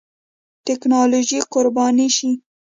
ټېکنالوژي قرباني شي.